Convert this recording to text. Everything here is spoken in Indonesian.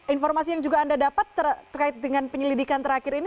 informasi yang juga anda dapat terkait dengan penyelidikan terakhir ini